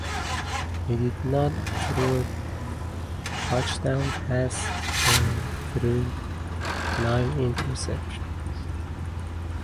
He did not throw a touchdown pass and threw nine interceptions.